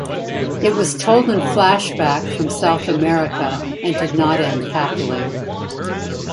It was told in flashback from South America and did not end happily.